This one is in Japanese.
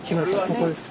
ここです。